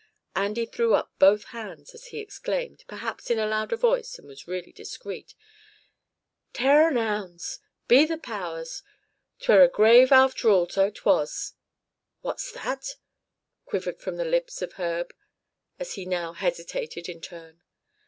Andy threw up both hands as he exclaimed, perhaps in a louder voice than was really discreet: "Tare and ounds! Be the powers, 'tware a grave afther all, so it was!" "What's that?" quivered from the lips of Herb, as he now hesitated in turn.